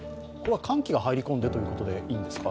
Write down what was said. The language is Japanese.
寒気が入り込んでということでいいですか？